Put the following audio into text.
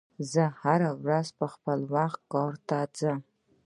زه هره ورځ په خپل وخت کار ته ځم.